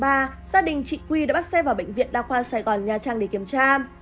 gia đình chị quy đã bắt xe vào bệnh viện đa khoa sài gòn nha trang để kiểm tra